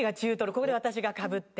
ここで私がかぶって。